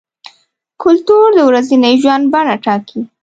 کلتور د ورځني ژوند بڼه ټاکي.